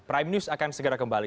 prime news akan segera kembali